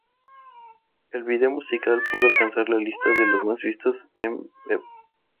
El vídeo musical pudo alcanzar la lista de los más vistos de Vevo.